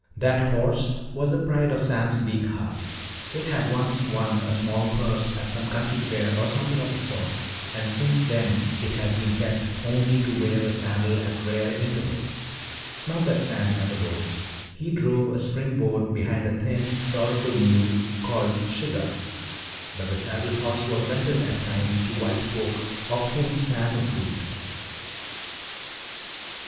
That horse was the pride of Sam's big heart. It had once won a small purse at some country fair or something of the sort, and since then it had been kept only to wear the saddle at rare intervals. Not that Sam ever rode. He drove a spring board behind a thin, sorrowful mule called "Suggah." But the saddle horse was rented at times to white folk of whom Sam approved.